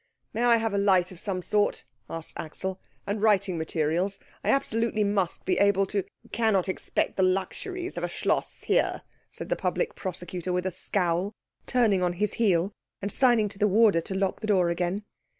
"May I have a light of some sort?" asked Axel, "and writing materials? I absolutely must be able to " "You cannot expect the luxuries of a Schloss here," said the Public Prosecutor with a scowl, turning on his heel and signing to the warder to lock the door again.